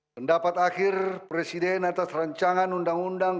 pendapat akhir presiden atas rancangan undang undang